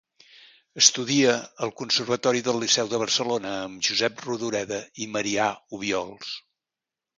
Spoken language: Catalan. Estudià al Conservatori del Liceu de Barcelona amb Josep Rodoreda i Marià Obiols.